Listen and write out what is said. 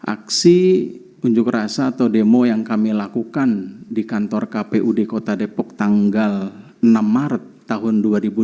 aksi unjuk rasa atau demo yang kami lakukan di kantor kpud kota depok tanggal enam maret tahun dua ribu dua puluh